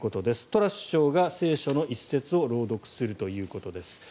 トラス首相が聖書の一節を朗読するということです。